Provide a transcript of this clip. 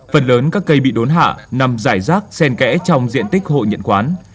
phần lớn các cây bị đốn hạ nằm dài rác sen kẽ trong diện tích hội nhận quán